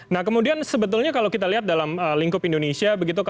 nah kemudian sebetulnya kalau kita lihat dalam lingkup indonesia